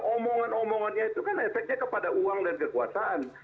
omongan omongannya itu kan efeknya kepada uang dan kekuasaan